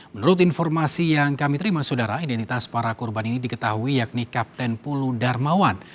menurut informasi yang kami terima saudara identitas para korban ini diketahui yakni kapten pulu darmawan